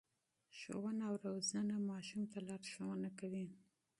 ښوونه او روزنه ماشوم ته لارښوونه کوي.